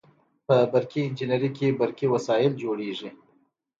په برقي انجنیری کې برقي وسایل جوړیږي.